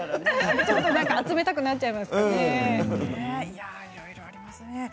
ちょっと集めたくなっちゃいますね。